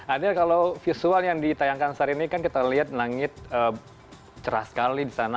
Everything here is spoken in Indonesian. adel kalau visual yang ditayangkan sekarang ini kan kita lihat nangis cerah sekali disana